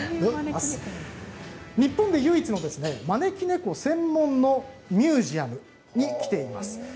日本で唯一の招き猫専門のミュージアムに来ています。